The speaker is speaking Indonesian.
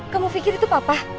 kamu pikir itu papa